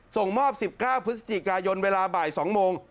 ส่งมอบ๑๙พฤศจิกายนเวลาบ่าย๒โมง